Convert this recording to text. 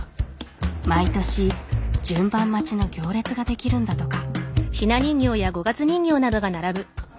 毎年順番待ちの行列が出来るんだとか。